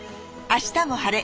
「あしたも晴れ！